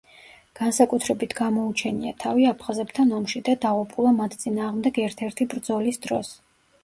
განსაკუთრებით გამოუჩენია თავი აფხაზებთან ომში და დაღუპულა მათ წინააღმდეგ ერთ-ერთი ბრძოლის დროს.